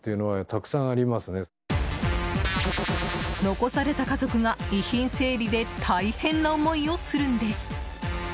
残された家族が、遺品整理で大変な思いをするんです。